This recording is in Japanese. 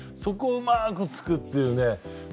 そこをうまく突くっていうね。